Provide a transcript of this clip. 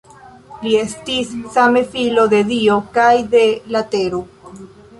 Li estis same filo de dio kaj de la tero.